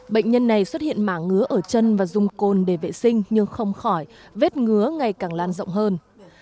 bệnh nhân này xuất hiện mả ngứa ở chân và dùng côn để vệ sinh nhưng không khỏi vết ngứa ngày càng lan rộng hơn